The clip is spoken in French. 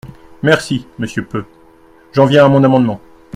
Merci, monsieur Peu… J’en viens à mon amendement.